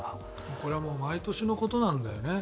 これはもう毎年のことなんだよね。